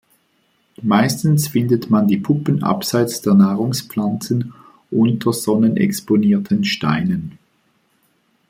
Meistens findet man die Puppen abseits der Nahrungspflanzen unter sonnenexponierten Steinen.